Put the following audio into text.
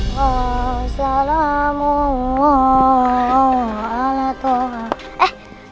wa salamu'alaikum artican allah sumi az scissors